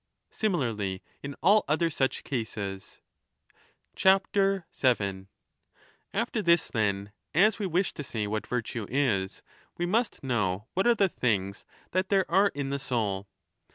Similarly in all other such cases. 7 After this, then, as we wish to say what virtue is, we 10 must know what are the things that there are in the soul.